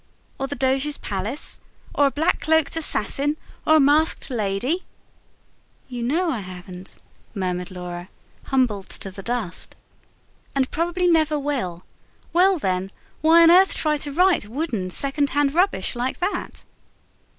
"Or the Doge's palace? or a black cloaked assassin? or a masked lady?" "You know I haven't," murmured Laura, humbled to the dust. "And probably never will. Well then, why on earth try to write wooden, second hand rubbish like that?"